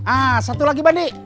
ah satu lagi bandi